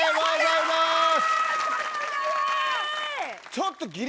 ちょっと。